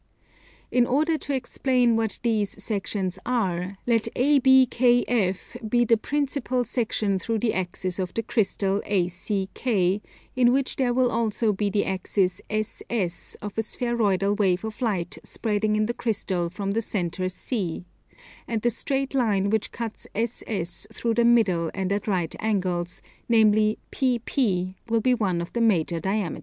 In order to explain what these sections are, let ABKF be the principal section through the axis of the crystal ACK, in which there will also be the axis SS of a spheroidal wave of light spreading in the crystal from the centre C; and the straight line which cuts SS through the middle and at right angles, namely PP, will be one of the major diameters.